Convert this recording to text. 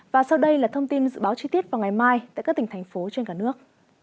và sau đây là thông tin dự báo chi tiết vào ngày mai tại các tỉnh thành phố trên cả nước